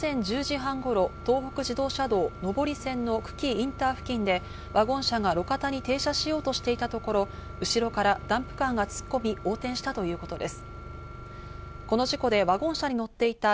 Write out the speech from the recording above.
警察によりますと午前１０時半頃、東北自動車道・上り線の久喜インター付近でワゴン車が路肩に停車しようとしていたところ、後ろからダンプカーが突っ込み横転したということです。